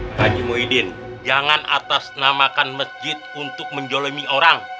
pak haji muhyiddin jangan atasnamakan masjid untuk menjolemi orang